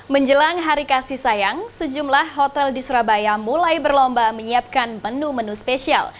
menjelang hari kasih sayang sejumlah hotel di surabaya mulai berlomba menyiapkan menu menu spesial